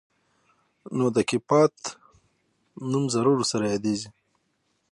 نو د کيپات نوم ضرور ورسره يادېږي.